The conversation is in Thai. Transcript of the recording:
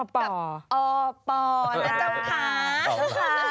อปนะจ๊ะค่ะ